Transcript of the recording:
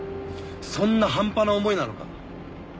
そんな半端な思いなのか？